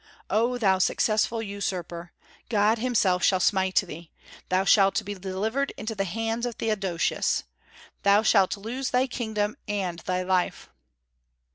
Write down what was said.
Oh, thou successful usurper! God himself shall smite thee. Thou shalt be delivered into the hands of Theodosius. Thou shalt lose thy kingdom and thy life."